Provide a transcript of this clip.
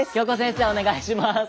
お願いします。